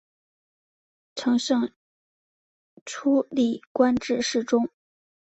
承圣初历官至侍中。